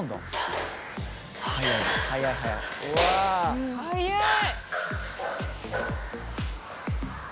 速い速い速いうわ。速い。